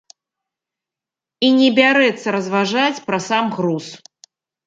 І не бярэцца разважаць пра сам груз.